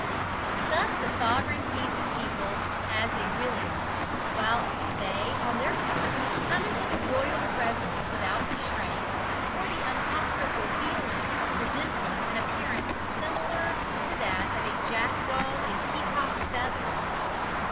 Thus the sovereign sees his people as they really are, whilst they on their part come into the royal presence without restraint, or the uncomfortable feeling of presenting an appearance similar to that of a jackdaw in peacock's feathers.